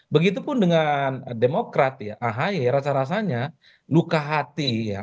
begitupun dengan demokrat ya ahy rasa rasanya luka hati ya